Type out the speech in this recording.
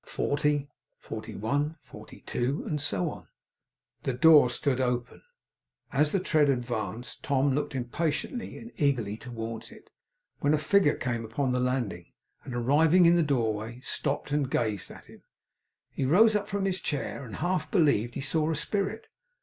Forty, forty one, forty two, and so on. The door stood open. As the tread advanced, Tom looked impatiently and eagerly towards it. When a figure came upon the landing, and arriving in the doorway, stopped and gazed at him, he rose up from his chair, and half believed he saw a spirit.